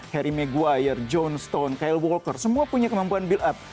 harry meguire john stone kyle walker semua punya kemampuan build up